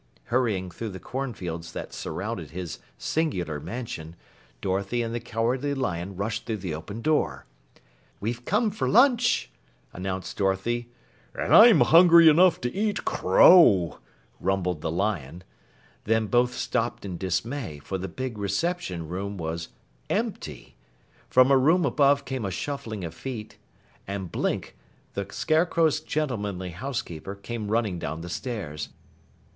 Hurrying through the cornfields that surrounded his singular mansion, Dorothy and the Cowardly Lion rushed through the open door. "We've come for lunch," announced Dorothy. "And I'm hungry enough to eat crow," rumbled the lion. Then both stopped in dismay, for the big reception room was empty. From a room above came a shuffling of feet, and Blink, the Scarecrow's gentlemanly housekeeper, came running down the stairs.